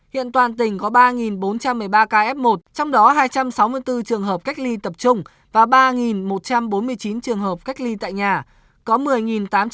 hiện toàn tỉnh có ba bốn trăm một mươi ba ca f một trong đó hai trăm sáu mươi bốn trường hợp cách ly tập trung và ba một trăm bốn mươi chín trường hợp cách ly tại nhà